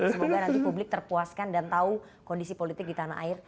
semoga nanti publik terpuaskan dan tahu kondisi politik di tanah air